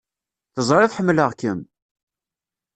Teẓrid ḥemmleɣ-kem!